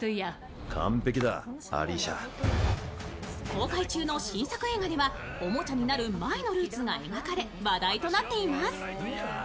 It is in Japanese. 公開中の新作映画ではおもちゃになる前のルーツが描かれ話題となっています。